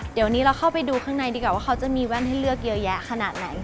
เดี๋ยวนี้เราเข้าไปดูข้างในดีกว่าว่าเขาจะมีแว่นให้เลือกเยอะแยะขนาดไหน